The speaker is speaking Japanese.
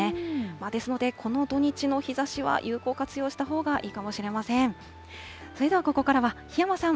ですのでこの土日の日ざしは、有効活用したほうがいいかもしれません。